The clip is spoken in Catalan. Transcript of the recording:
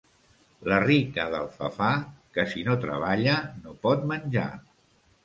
La rica d'Alfafar, que si no treballa no pot menjar.